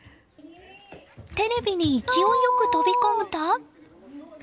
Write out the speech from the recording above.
テレビに勢いよく飛び込むと。